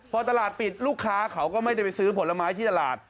พอตลาดปิดลูกค้าเขาก็ไม่ได้ไปซื้อผลไม้ที่ตลาด